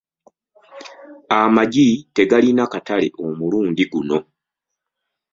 Amagi tegalina katale omulundi guno.